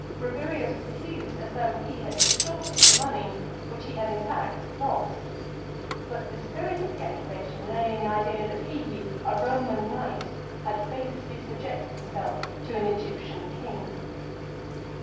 Rabirius was accused as though he had ex torted the money, which he had in fact lost ; but the spirit of the accusation lay in the idea that he, a Roman knight, had basely subjected himself to an Egyptian king.